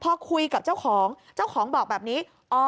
พอคุยกับเจ้าของเจ้าของบอกแบบนี้